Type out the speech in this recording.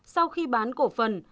sau khi bán cổ phân